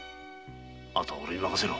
後はおれに任せろ。